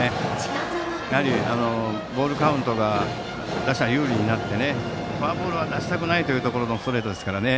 やはり、ボールカウントが打者有利になってフォアボールの出したくない時のストレートですからね。